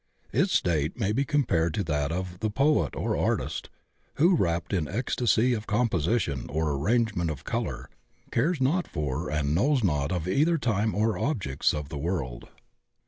Its state may be compared to that of the poet or artist who, rapt in ecstacy of composition or arrangement of color, cares not for and knows not of either time or objects of the world.